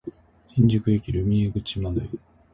新宿駅ルミネ口改札